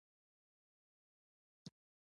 وینه یو ارتباطي نسج دی.